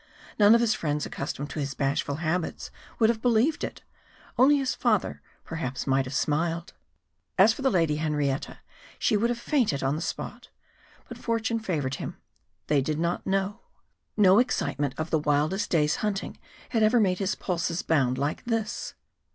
None of his friends accustomed to his bashful habits would have believed it. Only his father perhaps might have smiled. As for the Lady Henrietta, she would have fainted on the spot. But fortune favoured him they did not know. No excitement of the wildest day's hunting had ever made his pulses bound like this!